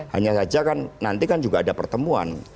hanya saja kan nanti kan juga ada pertemuan